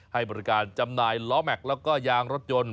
ให้บริการจำหน่ายล้อแม็กซ์แล้วก็ยางรถยนต์